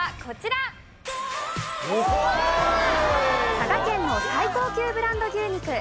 佐賀県の最高級ブランド牛肉佐賀牛。